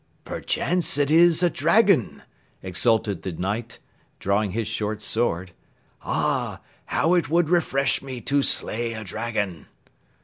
"Perchance it is a dragon," exulted the Knight, drawing his short sword. "Ah, how it would refresh me to slay a dragon!"